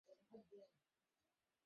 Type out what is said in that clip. বুঝতে পেরেছো, ক্যাম?